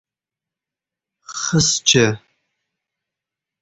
His-chi?